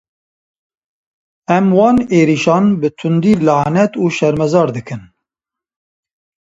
Em wan êrîşan bi tundî lanet û şermezar dikin